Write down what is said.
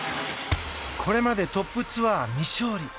これまでトップツアー未勝利。